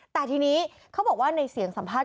แต่ทีนี้เขาบอกว่าในเสียงสัมภาษณ์